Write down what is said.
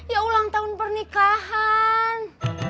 ya ulang tahun pernikahan